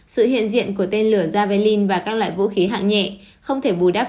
sự hiện diện của tên lửa javalin và các loại vũ khí hạng nhẹ không thể bù đắp